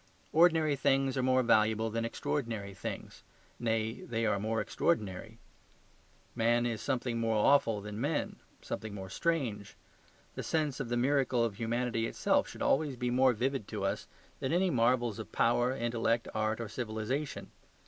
Ordinary things are more valuable than extraordinary things; nay, they are more extraordinary. Man is something more awful than men; something more strange. The sense of the miracle of humanity itself should be always more vivid to us than any marvels of power, intellect, art, or civilization.